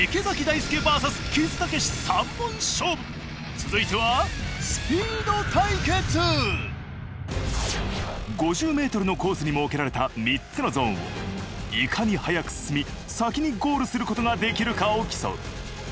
続いては５０ｍのコースに設けられた３つのゾーンをいかに速く進み先にゴールすることができるかを競う。